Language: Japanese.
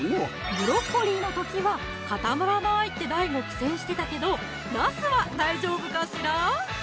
ブロッコリーの時は固まらないってＤＡＩＧＯ苦戦してたけどなすは大丈夫かしらー？